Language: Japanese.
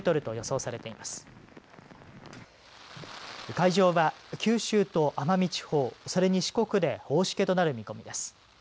海上は九州と奄美地方それに四国で大しけとなる見込みです。